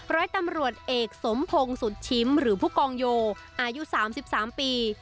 ร้อยตำรวจเอกสมพงศ์สุดชิมหรือผู้กองโยอายุ๓๓ปี